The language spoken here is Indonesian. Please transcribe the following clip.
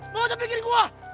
tidak usah pikirkan saya